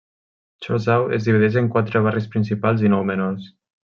Chorzów es divideix en quatre barris principals i nou menors.